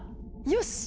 よし！